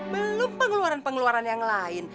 belum pengeluaran pengeluaran yang lain